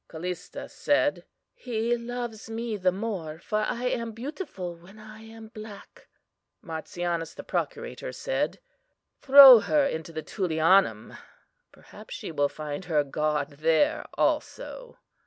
"CALLISTA said: He loves me the more, for I am beautiful when I am black. "MARTIANUS, the procurator, said: Throw her into the Tullianum; perhaps she will find her god there also.